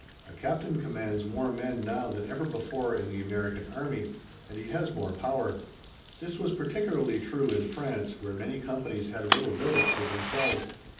A captain commands more men now than ever before in the American army and he has more power. This was particularly true in France where many companies had a little village to themselves.